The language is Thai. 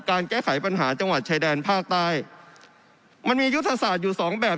แก้ไขปัญหาจังหวัดชายแดนภาคใต้มันมียุทธศาสตร์อยู่สองแบบ